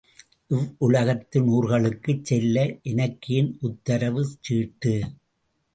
இவ்வுலகத்தின் ஊர்களுக்குச் செல்ல எனக்கேன் உத்தரவுச்சீட்டு?